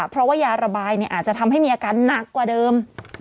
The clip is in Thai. เพราะว่ายาระบายอาจจะทำให้มีอาการหนักกว่าเดิม